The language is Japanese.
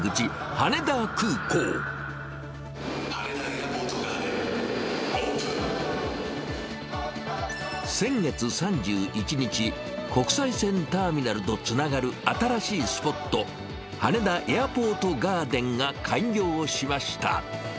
羽田エアポートガーデン、先月３１日、国際線ターミナルとつながる新しいスポット、羽田エアポートガーデンが開業しました。